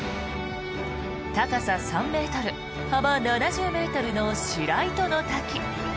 高さ３ｍ、幅７０ｍの白糸の滝。